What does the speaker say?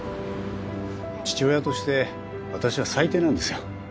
父親として私は最低なんですよ。